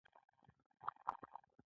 دا نندارتون له اقتصادي پلوه هم مهم و.